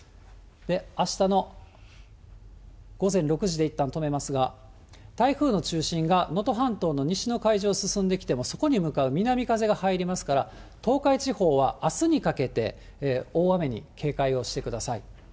あしたの午前６時でいったん止めますが、台風の中心が能登半島の西の海上を進んできてそこに向かう南風が入りますから、東海地方はあすにかけて、大雨に警戒をしてください。